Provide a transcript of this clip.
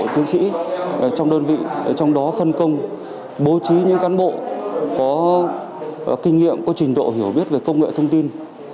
tuy nhiên cán bộ có kinh nghiệm có trình độ hiểu biết về công nghệ thông tin